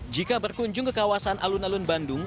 jika berkunjung ke kawasan alun alun bandung